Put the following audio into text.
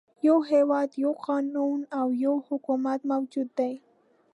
يو هېواد، یو قانون او یو حکومت موجود دی.